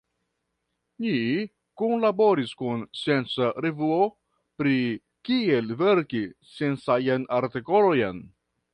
Ni kunlaboris kun scienca revuo pri kiel verki sciencajn artikolojn.